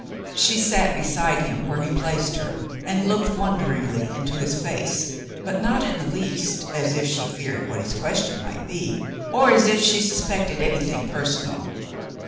She sat beside him where he placed her and looked wonderingly into his face, but not in the least as if she feared what his question might be, or as if she suspected anything personal.